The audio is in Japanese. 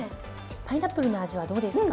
パイナップルの味はどうですか？